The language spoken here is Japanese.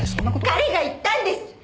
彼が言ったんです！